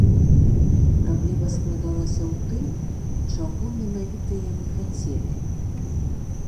Праблема складалася ў тым, чаго менавіта яны хацелі.